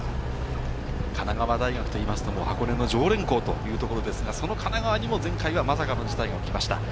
神奈川大学と言いますと箱根の常連校というところですが、その神奈川にも前回はまさかの事態が起きました。